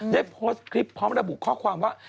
ได้โพสต์คลิปพร้อมระบุข้อความว่า